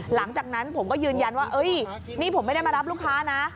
หลังจากนั้นผมก็ยืนยันว่านี่ผมไม่ได้มารับลูกค้านะ